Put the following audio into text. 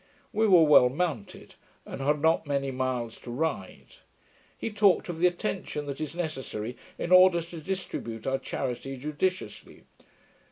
We were well mounted, and had not many miles to ride. He talked of the attention that is necessary in order to distribute our charity judiciously.